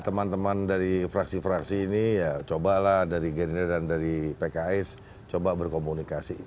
teman teman dari fraksi fraksi ini ya cobalah dari gerindra dan dari pks coba berkomunikasi